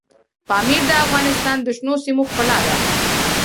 پامیر د افغانستان د شنو سیمو ښکلا ده.